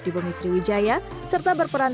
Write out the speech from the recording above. di bumisri wijaya serta berperan